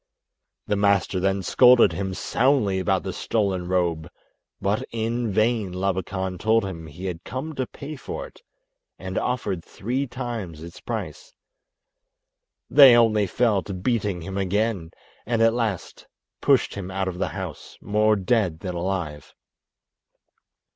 The master then scolded him soundly about the stolen robe, but in vain Labakan told him he had come to pay for it and offered three times its price. They only fell to beating him again, and at last pushed him out of the house more dead than alive.